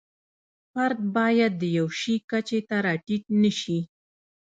فرد باید د یوه شي کچې ته را ټیټ نشي.